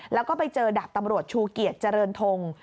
แล้วก็ไปเจอดาบตำรวจชูเกียจเจริญทง